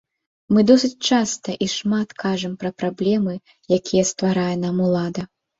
Мы досыць часта і шмат кажам пра праблемы, якія стварае нам улада.